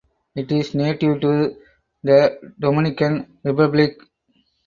It is native to the Dominican Republic.